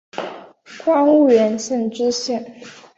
官婺源县知县。